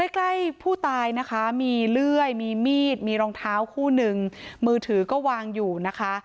ใกล้ผู้ตายนะคะมีเลื่อยมีมีดมีรองเท้าคู่นึงมือถือก็วางอยู่นะคะ